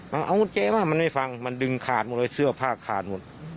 มันเอากุญแจมามันไม่ฟังมันดึงขาดหมดเลยเสื้อผ้าขาดหมด